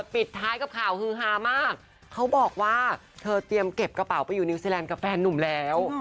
ปิดท้ายกับข่าวฮือฮามากเขาบอกว่าเธอเตรียมเก็บกระเป๋าไปอยู่นิวซีแลนด์กับแฟนนุ่มแล้ว